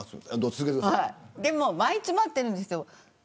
でも、毎日待ってるんですよ。